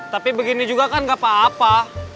tapi begini juga kan gak apa apa